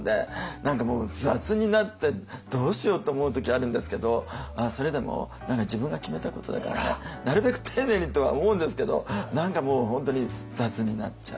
何かもう雑になってどうしようって思う時あるんですけどそれでも何か自分が決めたことだからねなるべく丁寧にとは思うんですけど何かもう本当に雑になっちゃう。